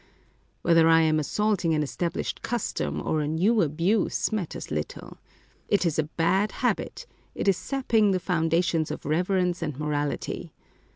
Whether I am assaulting an estab lished custom, or a new abuse, matters little. It is a bad habit; it is sapping the foundations of reverence and morality.